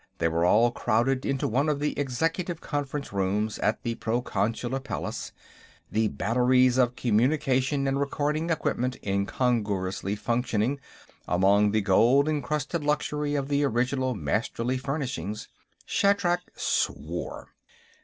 They were all crowded into one of the executive conference rooms at the Proconsular Palace, the batteries of communication and recording equipment incongruously functional among the gold encrusted luxury of the original Masterly furnishings. Shatrak swore.